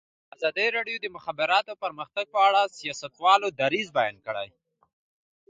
ازادي راډیو د د مخابراتو پرمختګ په اړه د سیاستوالو دریځ بیان کړی.